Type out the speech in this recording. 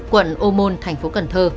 quận ô môn tp hcm